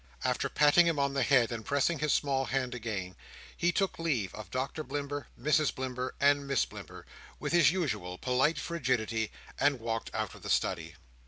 After patting him on the head, and pressing his small hand again, he took leave of Doctor Blimber, Mrs Blimber, and Miss Blimber, with his usual polite frigidity, and walked out of the study.